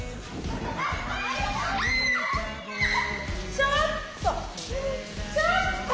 ちょっと！